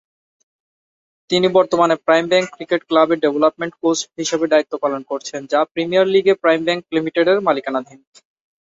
তিনি বর্তমানে Prime Bank cricket ক্লাবের ডেভেলপমেন্ট কোচ হিসেবে দায়িত্ব পালন করছেন যা ঢাকা প্রিমিয়ার লিগে প্রাইম ব্যাংক লিমিটেডের মালিকানাধীন।